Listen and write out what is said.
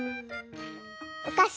おかし？